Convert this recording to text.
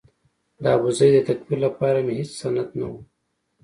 د ابوزید د تکفیر لپاره مې هېڅ سند نه و.